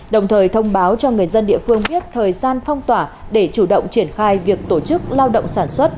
đồng thời thông báo cho người dân địa phương biết thời gian phong tỏa để chủ động triển khai việc tổ chức lao động sản xuất